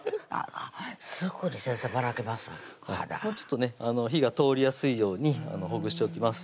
すぐに先生ばらけますわもうちょっとね火が通りやすいようにほぐしておきます